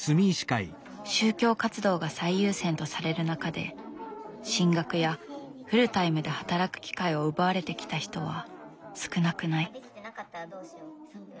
宗教活動が最優先とされる中で進学やフルタイムで働く機会を奪われてきた人は少なくない。